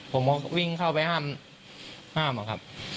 ผมก็วิ่งเข้าไปห้ามอะครับ